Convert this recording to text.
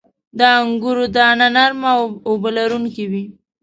• د انګورو دانه نرمه او اوبه لرونکې وي.